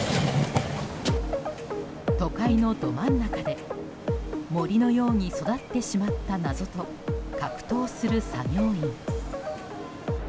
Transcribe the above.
都会のど真ん中で森のように育ってしまった謎と格闘する作業員。